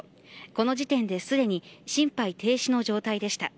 この時点ですでに心肺停止の状態でした。